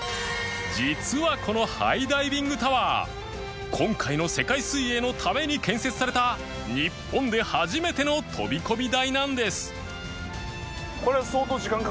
実はこのハイダイビングタワー今回の世界水泳のために建設された日本で初めての飛込台なんです